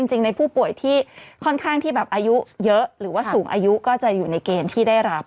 จริงในผู้ป่วยที่ค่อนข้างที่แบบอายุเยอะหรือว่าสูงอายุก็จะอยู่ในเกณฑ์ที่ได้รับ